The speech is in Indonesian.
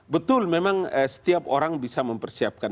betul memang setiap orang bisa mempersiapkan